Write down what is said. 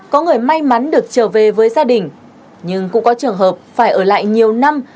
có người may mắn được trở về với gia đình nhưng cũng có trường hợp phải ở lại nhiều năm